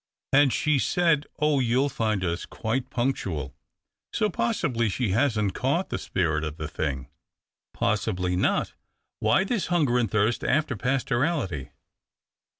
And she said, ' Oh, you'll find us quite punctual !' So possibly she hasn't caught the spirit of the thing." " Possibly not. Why this hunger and thirst after pastorality